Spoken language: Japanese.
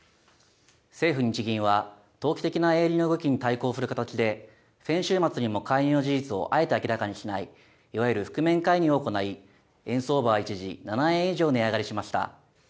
政府・日銀は投機的な円売りの動きに対抗する形で先週末にも介入の事実をあえて明らかにしない、いわゆる覆面介入を行い円相場は一時、７円以上値上がりしました。